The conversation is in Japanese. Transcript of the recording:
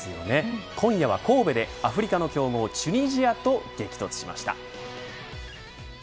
今夜は神戸でアフリカの強豪チュニジアと激突しました。